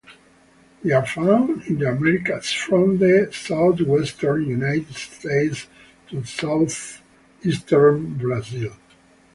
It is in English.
They are found in the Americas from the Southwestern United States to Southeastern Brazil.